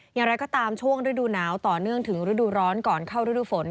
อย่างไรก็ตามช่วงฤดูหนาวต่อเนื่องถึงฤดูร้อนก่อนเข้าฤดูฝน